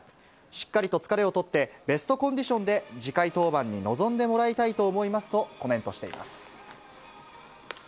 しっかりと疲れを取って、ベストコンディションで次回登板に臨んでもらいたいと思いますとコメントしています。